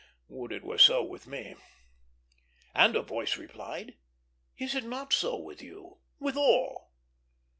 Would it were so with me! And a voice replied, "Is it not so with you? with all?"